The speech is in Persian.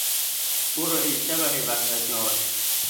برو ای شبح وحشتناک!